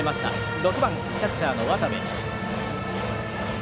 ６番、キャッチャーの渡部。